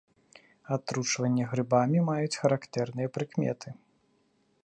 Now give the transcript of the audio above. Атручванні грыбамі маюць характэрныя прыкметы.